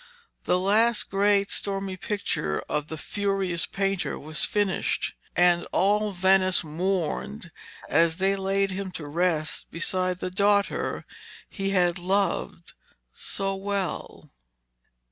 The last great stormy picture of 'the furious painter' was finished, and all Venice mourned as they laid him to rest beside the daughter he had loved so well.